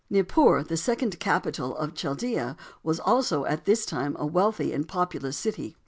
Nippur, the second capital of Chaldea, was also at this time a wealthy and populous city.